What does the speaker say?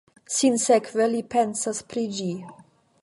Sinsekve li pensas pri ĝi.